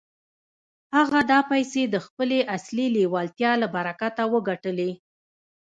هغه دا پيسې د خپلې اصلي لېوالتيا له برکته وګټلې.